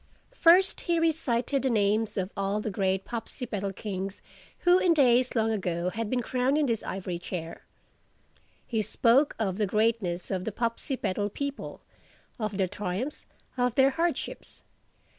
First he recited the names of all the great Popsipetel kings who in days long ago had been crowned in this ivory chair. He spoke of the greatness of the Popsipetel people, of their triumphs, of their hardships.